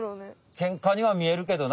けんかにはみえるけどな。